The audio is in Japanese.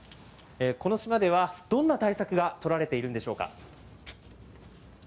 この島では、どんな対策が取られているんでしょうか。